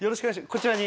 こちらに？